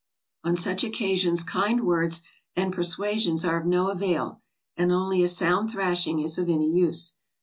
On such occasions kind words and persuasions are of no avail, and only a sound thrashing is of any use.